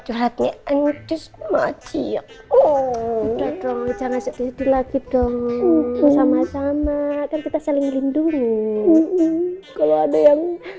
nyanyi anjus mati ya oh jangan sedih lagi dong sama sama kita saling lindungi kalau ada yang